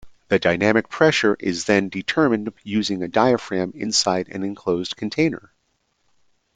The dynamic pressure is then determined using a diaphragm inside an enclosed container.